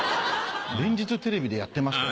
連日テレビでやってましたよ。